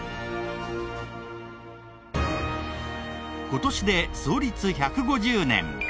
今年で創立１５０年。